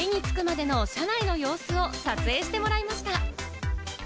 家に着くまでの車内の様子を撮影してもらいました。